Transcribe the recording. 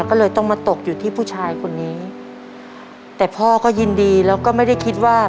ก็เลยต้องมาตกอยู่ที่ผู้ชายคนนี้แต่พ่อก็ยินดีแล้วก็ไม่ได้คิดว่า